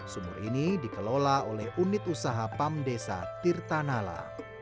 sumur ini dikelola oleh unit usaha pam desa tirtanala